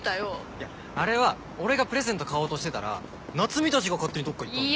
いやあれは俺がプレゼント買おうとしてたら夏海たちが勝手にどっか行ったんだろ。